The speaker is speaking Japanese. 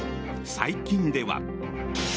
最近では。